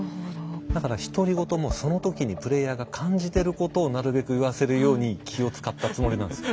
だから独り言もその時にプレイヤーが感じてることをなるべく言わせるように気を遣ったつもりなんです。